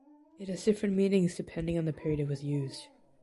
It has different meanings depending on the period it was used.